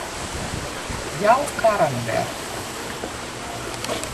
Jou karren wer.